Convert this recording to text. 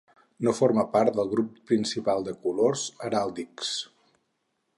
No forma part del grup principal de colors heràldics.